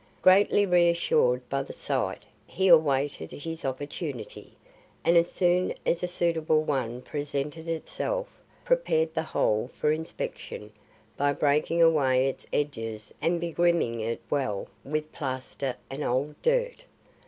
Greatly re assured by the sight, he awaited his opportunity, and as soon as a suitable one presented itself, prepared the hole for inspection by breaking away its edges and begriming it well with plaster and old dirt.